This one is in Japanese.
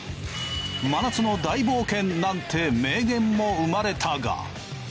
「真夏の大冒険」なんて名言も生まれたが。